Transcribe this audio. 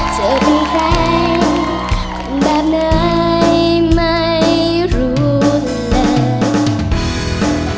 เธอเป็นใครแบบไหนไม่รู้เลย